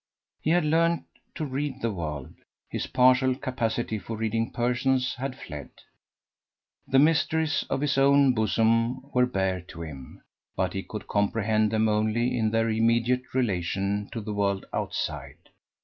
He had learned to read the world: his partial capacity for reading persons had fled. The mysteries of his own bosom were bare to him; but he could comprehend them only in their immediate relation to the world outside.